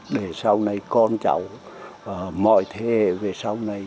để sau này con cháu mọi thế về sau này